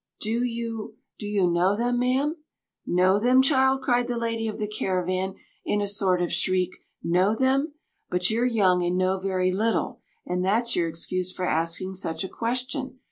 Do you—do you know them, ma'am?" "Know them, child!" cried the lady of the caravan in a sort of shriek. "Know them! But you're young and know very little, and that's your excuse for asking such a question.